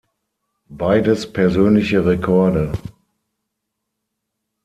Beides persönliche Rekorde.